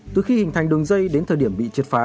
từ khi hình thành đường dây đến thời điểm bị triệt phá